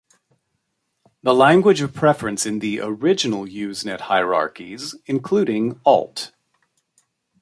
The language of preference in the "original" Usenet hierarchies, including "alt.